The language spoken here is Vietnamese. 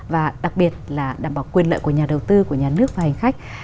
và đặc biệt là đảm bảo quyền lợi của nhà đầu tư của nhà nước và hành khách